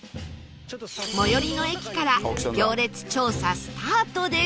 最寄りの駅から行列調査スタートです